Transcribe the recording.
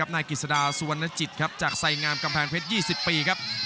นายกิจสดาสุวรรณจิตครับจากไสงามกำแพงเพชร๒๐ปีครับ